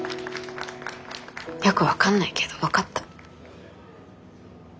よく分かんないけど分かった。